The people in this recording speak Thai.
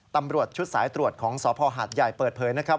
ตำรวจชุดสายตรวจของสภหาดใหญ่เปิดเผยนะครับ